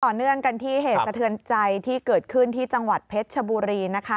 เนื่องกันที่เหตุสะเทือนใจที่เกิดขึ้นที่จังหวัดเพชรชบุรีนะคะ